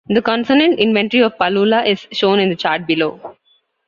The consonant inventory of Palula is shown in the chart below.